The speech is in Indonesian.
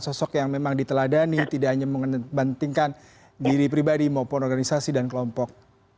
sosok yang memang diteladani tidak hanya membantingkan diri pribadi maupun organisasi dan kelompok